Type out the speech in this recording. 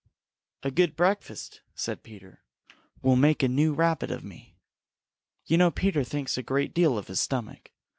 "A good breakfast," said Peter, "will make a new Rabbit of me." You know Peter thinks a great deal of his stomach.